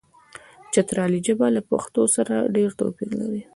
چترالي ژبه له پښتو سره ډېر توپیر لري.